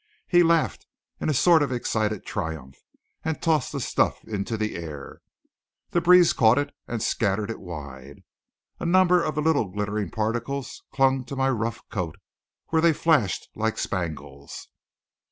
He laughed in a sort of excited triumph, and tossed the stuff into the air. The breeze caught it and scattered it wide. A number of the little glittering particles clung to my rough coat, where they flashed like spangles.